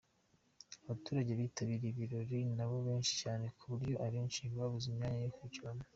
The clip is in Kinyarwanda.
Abaturage bitabiriye ibirori nabo ni benshi cyane ku buryo abenshi babuze imyanya yo kwicaramo.